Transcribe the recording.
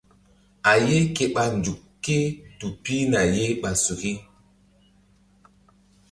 A ye ke ɓa nzuk ké tu pihna ye ɓa suki.